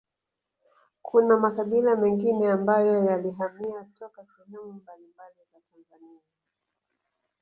Kuna makabila mengine ambayo yalihamia toka sehemu mbambali za Tanzania